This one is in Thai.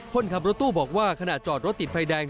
คนขับรถตู้บอกว่าขณะจอดรถติดไฟแดง